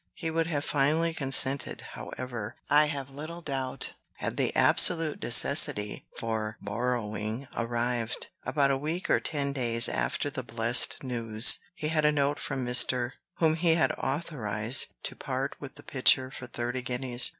He would have finally consented, however, I have little doubt, had the absolute necessity for borrowing arrived. About a week or ten days after the blessed news, he had a note from Mr. , whom he had authorized to part with the picture for thirty guineas.